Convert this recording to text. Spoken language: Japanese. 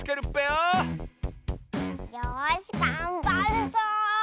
よしがんばるぞ！